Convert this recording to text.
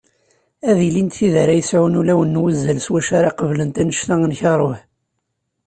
Ad ilint tid ara yesɛun ulawen n wuzzal s wacu ara qablent anect-a n karuh.